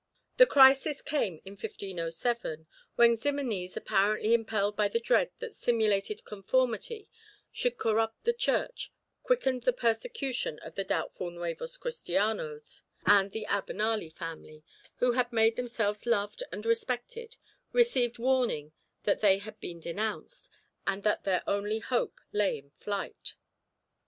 The crisis came in 1507, when Ximenes, apparently impelled by the dread that simulated conformity should corrupt the Church, quickened the persecution of the doubtful "Nuevos Cristianos," and the Abenali family, who had made themselves loved and respected, received warning that they had been denounced, and that their only hope lay in flight.